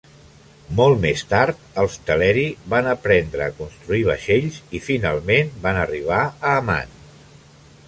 Molt més tard els Teleri van aprendre a construir vaixells, i finalment van arribar a Aman.